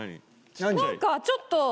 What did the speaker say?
なんかちょっと。